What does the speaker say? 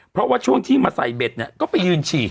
เพราะว่าช่วงที่มาใส่เบ็ดเนี่ยก็ไปยืนฉีด